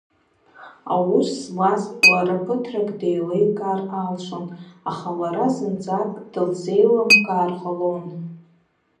Аус злаз лара ԥыҭрак деиликаар алшон, аха лара зынӡак дылзеилымкаар ҟалон.